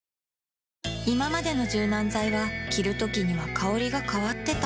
いままでの柔軟剤は着るときには香りが変わってた